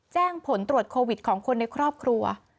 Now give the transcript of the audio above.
แจ้งผลตรวจโควิดของคนในครอบครัว